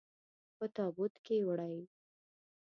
په تابوت کې وړئ.